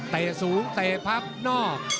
แต่สูงแต่พับนอก